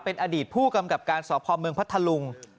เป็นอดีตผู้กำกับการสพเมืองพัทธลุง